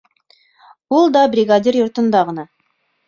Ул да бригадир йортонда ғына.